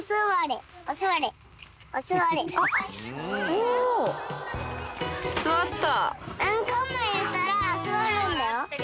お座った。